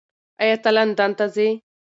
ایا ته لندن ته ځې؟